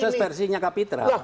proses versinya kak pitra